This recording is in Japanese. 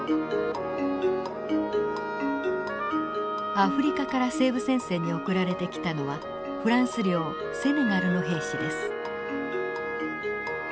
アフリカから西部戦線に送られてきたのはフランス領セネガルの兵士です。